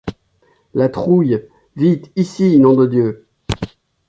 La Trouille, vite ici, nom de Dieu !